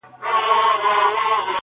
o گمان نه کوم، چي دا وړۍ دي شړۍ سي٫